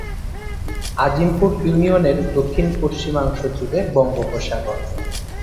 আজিমপুর ইউনিয়নের দক্ষিণ-পশ্চিমাংশ জুড়ে বঙ্গোপসাগর।